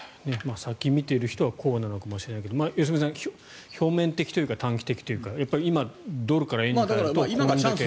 先を見ている人はこうなのかもしれないけど良純さん、表面的というか短期的というか今、ドルから円にするとこれだけ。